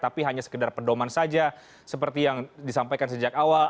tapi hanya sekedar pedoman saja seperti yang disampaikan sejak awal